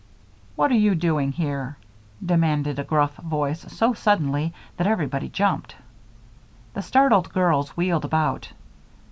"What are you doing here?" demanded a gruff voice so suddenly that everybody jumped. The startled girls wheeled about.